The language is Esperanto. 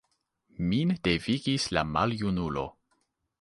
Min devigis la maljunulo.